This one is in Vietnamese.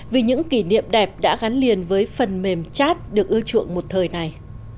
vì những kỷ niệm đẹp đã gắn liền với phần mềm chat được ưa chuộng một thời này